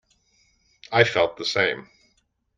I felt the same.